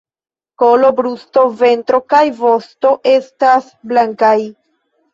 Kolo, brusto, ventro kaj vosto estas blankaj.